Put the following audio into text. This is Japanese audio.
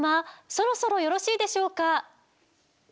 そろそろよろしいでしょうか？